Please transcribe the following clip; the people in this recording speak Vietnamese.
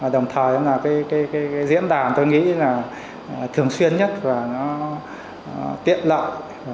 đồng thời diễn đàn tôi nghĩ là thường xuyên nhất và tiện lợi